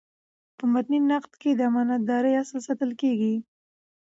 په متني نقد کي د امانت دارۍاصل ساتل کیږي.